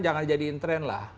jangan jadiin tren lah